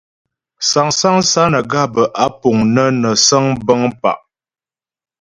Sáŋsaŋ sánaga bə́ á puŋ nə́ nə səŋ bəŋ pa'.